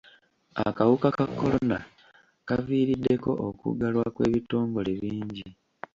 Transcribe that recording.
Akawuka ka kolona kaviiriddeko okuggalwa kw'ebitongole bingi.